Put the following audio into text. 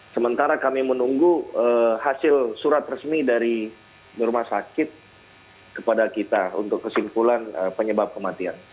sementara kami menunggu hasil surat resmi dari rumah sakit kepada kita untuk kesimpulan penyebab kematian